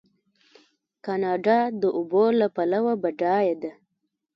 کاناډا د اوبو له پلوه بډایه ده.